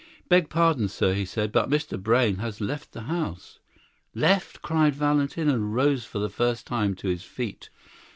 "Beg pardon, sir," he said, "but Mr. Brayne has left the house." "Left!" cried Valentin, and rose for the first time to his feet.